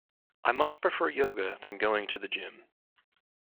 I much prefer yoga than going to the gym